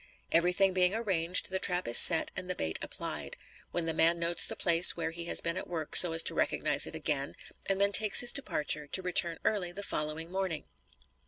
Everything being arranged, the trap is set and the bait applied, when the man notes the place where he has been at work so as to recognize it again, and then takes his departure to return early the following morning.